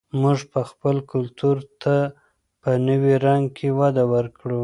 موږ به خپل کلتور ته په نوي رنګ کې وده ورکړو.